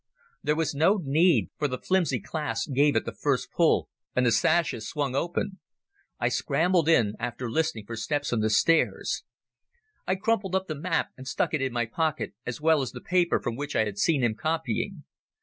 There was no need, for the flimsy clasp gave at the first pull, and the sashes swung open. I scrambled in, after listening for steps on the stairs. I crumpled up the map and stuck it in my pocket, as well as the paper from which I had seen him copying.